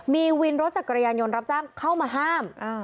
มีวินรถจักรยานยนต์รับจ้างเข้ามาห้าม